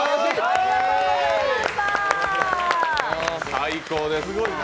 最高です。